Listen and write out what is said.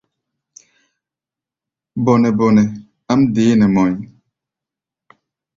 Bɔnɛ-bɔnɛ áʼm deé nɛ mɔʼí̧.